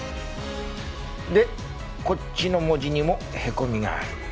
でこっちの文字にもへこみがある。